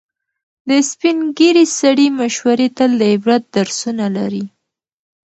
د سپینې ږیرې سړي مشورې تل د عبرت درسونه لري.